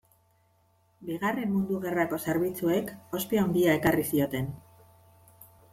Bigarren Mundu Gerrako zerbitzuek ospe handia ekarri zioten.